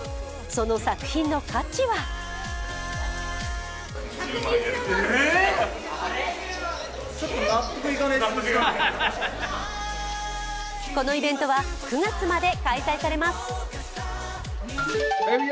その作品の価値はこのイベントは９月まで開催されます。